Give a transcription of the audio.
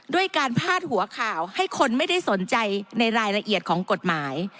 ด้วยการพาดหัวข่าวให้คนไม่ได้สนใจในรายละเอียดของกฎหมาย